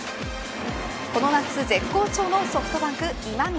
この夏絶好調のソフトバンク、今宮